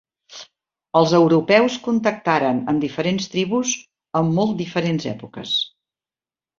Els europeus contactaren amb diferents tribus en molt diferents èpoques.